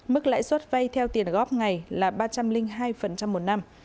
mức lãi suất vay theo tiền góp ngày là ba trăm linh hai một năm